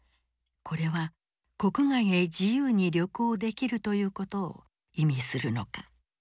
これは国外へ自由に旅行できるということを意味するのか。